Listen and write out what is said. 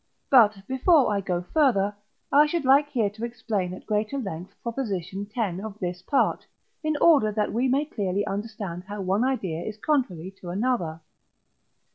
But, before I go further, I should like here to explain at greater length Prop. x of this part, in order that we may clearly understand how one idea is contrary to another.